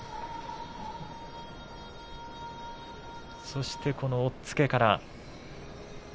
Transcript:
そして押っつけから。